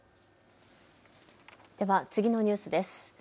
では次のニュースです。